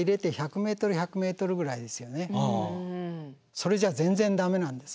それじゃ全然駄目なんです。